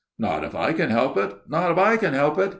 "Not if I can help it! not if I can help it!"